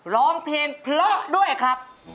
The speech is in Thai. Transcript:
ร้องเพลงพล็อกด้วยครับ